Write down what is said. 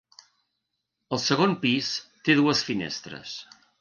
El segon pis té dues finestres.